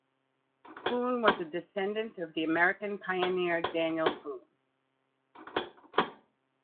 Boone was a descendant of American pioneer Daniel Boone.